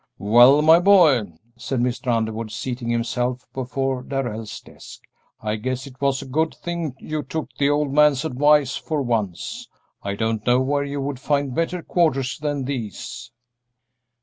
"Well, my boy," said Mr. Underwood, seating himself before Darrell's desk, "I guess 'twas a good thing you took the old man's advice for once. I don't know where you would find better quarters than these."